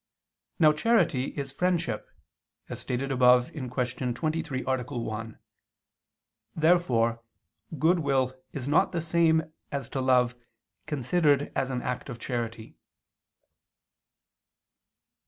Now charity is friendship, as stated above (Q. 23, A. 1). Therefore goodwill is not the same as to love considered as an act of charity.